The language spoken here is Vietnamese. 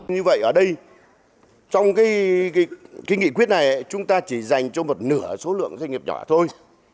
như vậy ở đây trong cái nghị quyết này chúng ta chỉ dành cho một nửa số lượng doanh nghiệp nhỏ thôi